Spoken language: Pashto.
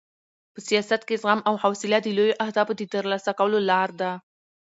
په سیاست کې زغم او حوصله د لویو اهدافو د ترلاسه کولو لار ده.